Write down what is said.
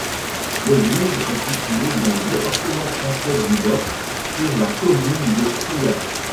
L'église est située dans le département français du Lot, sur la commune de Souillac.